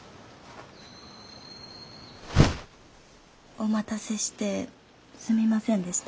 お待たせしてすみませんでした。